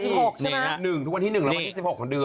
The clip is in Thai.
๑ทุกวันที่๑และวันที่๑๖ของเดือน